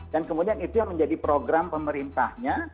dan kemudian itu yang menjadi program pemerintahnya